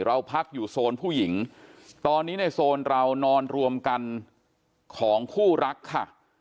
เราพักอยู่โซนผู้หญิงตอนนี้ในโซนเรานอนรวมกันของคู่รักค่ะ